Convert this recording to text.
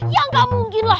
ya nggak mungkin lah